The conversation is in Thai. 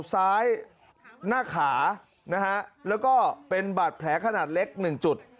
ซ้ายหน้าขานะฮะแล้วก็เป็นบาดแผลขนาดเล็ก๑จุด